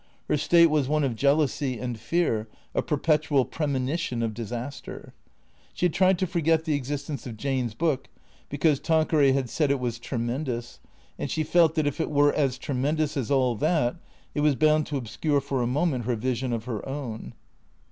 Her state was one of jealousy and fear, a perpetual premonition of disaster. She had tried to forget the existence of Jane's book, because Tanqueray had said it was tremendous, and she felt that, if it were as tremendous as all that, it was bound to obscure for a moment her vision of her own.